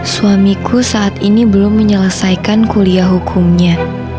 suamiku saat ini belum menyelesaikan kuliah hukumnya